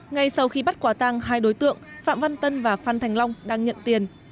ngay sau khi bắt quả tăng hai đối tượng phạm văn tân và phan thành long đang nhận tiền